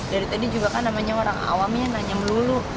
dari tadi juga kan namanya orang awamnya nanya melulu